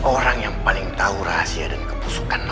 orang yang paling tahu rahasia dan kebusukan